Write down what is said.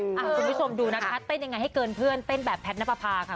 คุณผู้ชมดูนะคะเต้นยังไงให้เกินเพื่อนเต้นแบบแพทย์นับประพาค่ะ